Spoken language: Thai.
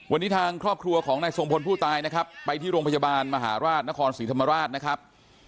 วันนี้ทางครอบครัวของนายทรงพลผู้ตายนะครับไปที่โรงพยาบาลมหาราชนครศรีธรรมราชนะครับ